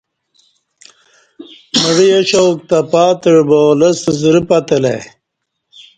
مڑہ یا شوق تہ پاتعہ با لستہ زرہ پتہ لہ ای